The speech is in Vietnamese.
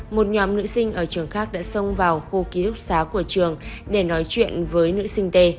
một nhóm nữ sinh ở trường khác đã song vào khu ký túc giá của trường để nói chuyện với nữ sinh t